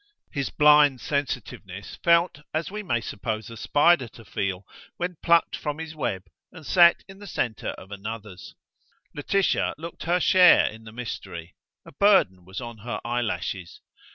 His blind sensitiveness felt as we may suppose a spider to feel when plucked from his own web and set in the centre of another's. Laetitia looked her share in the mystery. A burden was on her eyelashes.